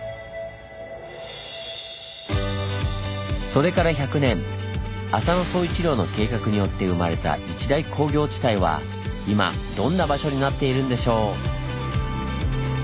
それから１００年浅野総一郎の計画によって生まれた一大工業地帯は今どんな場所になっているんでしょう？